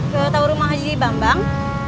ke taurung menghaji di bambang